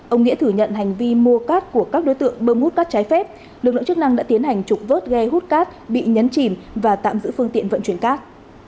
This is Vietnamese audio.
ông nghĩa thừa nhận hành vi mua cát của các đối tượng bơm hút cát trái phép lực lượng chức năng đã tiến hành trục vớt ghe hút cát bị nhấn chìm và tạm giữ phương tiện vận chuyển cát